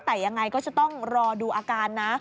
แต่ยังไงก็จะต้องรอดูอาการนะ